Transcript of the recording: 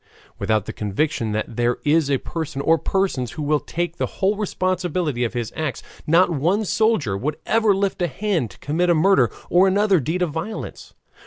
Without the conviction that there is a person or persons who will take the whole responsibility of his acts, not one soldier would ever lift a hand to commit a murder or other deed of violence.